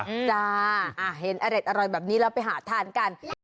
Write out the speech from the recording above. จ้าเห็นอร็ดอร่อยแบบนี้เราไปหาทานกัน